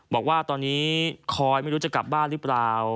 บอกว่าตอนนี้คอยไม่รู้จะกลับบ้านหรือเปล่า